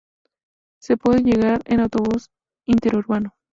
Se puede llegar en autobús interurbano.